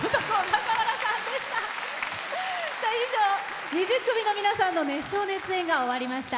以上２０組の皆さんの熱唱・熱演が終わりました。